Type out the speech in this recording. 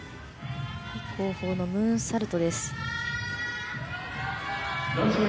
後方のムーンサルトです。